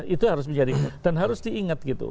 itu harus menjadi dan harus diingat gitu